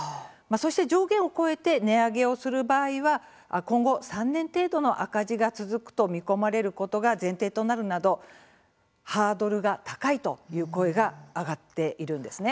そして上限を超えて値上げをする場合は今後、３年程度の赤字が続くと見込まれることが前提となるなどハードルが高いという声が上がっているんです。